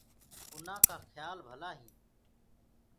اُنآ ڪآ کيِآ ڀلآ هينٚ۔